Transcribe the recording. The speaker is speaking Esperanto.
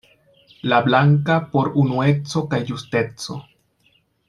La blanka por unueco kaj justeco.